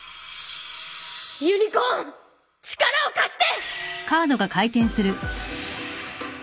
ユニコーン力を貸して！